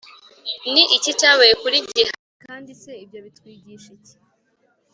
Ni iki cyabaye kuri gehazi kandi se ibyo bitwigisha iki